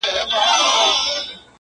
زوکام يم_